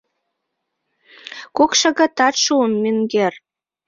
— Кок шагатат шуын, менгер...